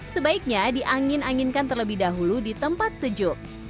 sebaiknya diangin anginkan terlebih dahulu di tempat sejuk